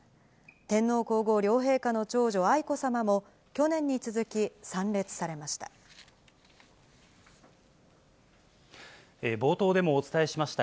天皇皇后両陛下の長女、愛子さまも、去年に続き参列されました。